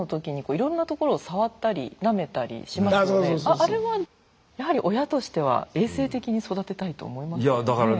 あれはやはり親としては衛生的に育てたいと思いますよね。